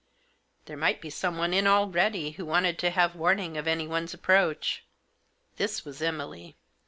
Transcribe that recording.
" There might be someone in already, who wanted to have warning of anyone's approach." This was Emily.